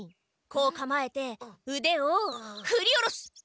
こうかまえてうでをふり下ろす！